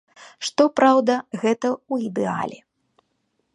Што праўда, гэта ў ідэале.